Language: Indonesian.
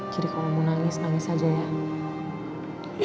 jadi kalau mau nangis nangis aja ya